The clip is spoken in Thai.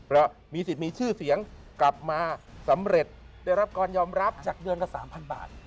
แล้วมีสิทธิ์มีชื่อเสียงกลับมาสำเร็จได้รับการยอมรับจากเดือนละ๓๐๐บาท